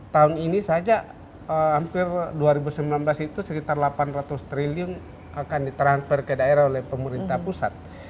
tahun ini saja hampir dua ribu sembilan belas itu sekitar delapan ratus triliun akan ditranfer ke daerah oleh pemerintah pusat